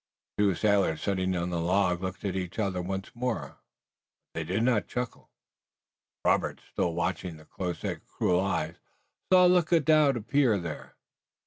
The two sailors sitting on the log looked at each other once more, but they did not chuckle. Robert, still watching the close set cruel eyes, saw a look of doubt appear there.